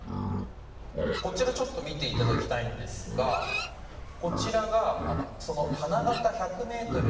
こちらちょっと見て頂きたいんですがこちらがその花形１００メートル